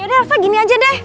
yaudah elva gini aja deh